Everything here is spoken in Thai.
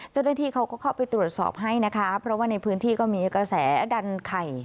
เจ้าหน้าที่เขาก็เข้าไปตรวจสอบให้นะคะเพราะว่าในพื้นที่ก็มีกระแสดันไข่